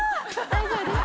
大丈夫です。